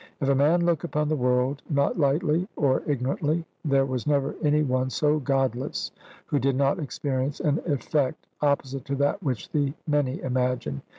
If a man look upon the world not lightly or ignorantly, there was never any one so godless who did not experience an effect opposite to that which the many imagine.